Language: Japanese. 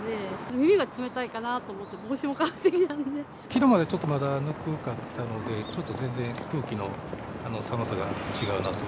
耳が冷たいかなと思って、きのうまでちょっとまだぬくかったので、ちょっと全然空気の寒さが違うなと。